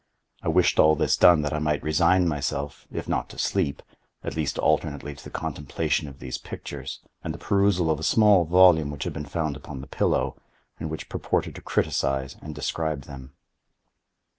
I wished all this done that I might resign myself, if not to sleep, at least alternately to the contemplation of these pictures, and the perusal of a small volume which had been found upon the pillow, and which purported to criticise and describe them.